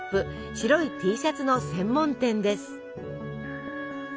白いＴシャツの専門店です！